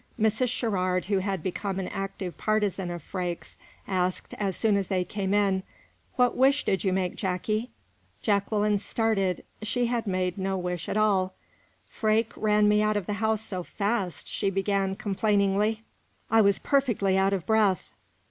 Mrs. Sherrard, who had become an active partisan of Freke's, asked, as soon as they came in: "What wish did you make, Jacky?" Jacqueline started. She had made no wish at all. "Freke ran me out of the house so fast," she began complainingly, "I was perfectly out of breath."